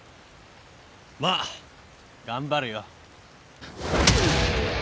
まあ頑張るよ。